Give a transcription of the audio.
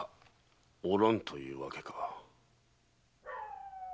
お蘭というわけか。